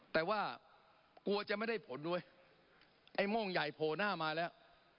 แต่ว่ากลัวจะไม่ได้ผลเว้ยไอ้โม่งใหญ่โผล่หน้ามาแล้ว